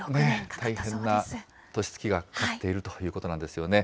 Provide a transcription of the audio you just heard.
大変な年月がかかっているということなんですよね。